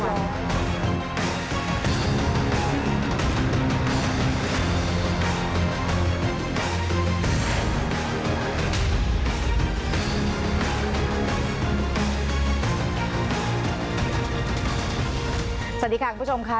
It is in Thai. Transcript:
สวัสดีค่ะคุณผู้ชมค่ะ